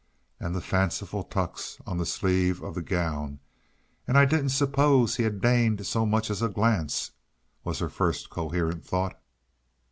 And the fanciful tucks on the sleeve of the gown "and I didn't suppose he had deigned so much as a glance!" was her first coherent thought.